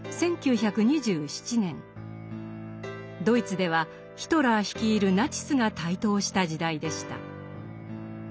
ドイツではヒトラー率いるナチスが台頭した時代でした。